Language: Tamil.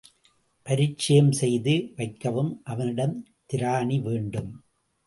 பரிச்சயம் செய்து வைக்கவும் அவனிடம் திராணி வேண்டும்.